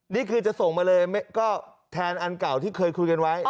นี่คือจะส่งมาเลยก็แทนอันเก่าที่เคยคุยกันไว้